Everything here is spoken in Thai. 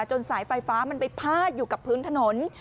สายไฟฟ้ามันไปพาดอยู่กับพื้นถนน